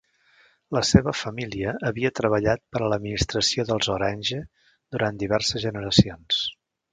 La seva família havia treballat per a l'administració dels Orange durant diverses generacions.